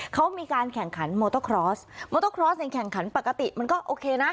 เขามีการแข่งขันโมโตครอสมอเตอร์คลอสเนี่ยแข่งขันปกติมันก็โอเคนะ